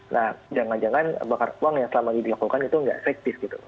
nah jangan jangan bakar uang yang selama ini dilakukan itu nggak efektif gitu